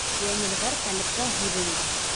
Пионерҙар Талиптың һүҙен дә: